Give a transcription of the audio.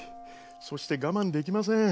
そして我慢できません。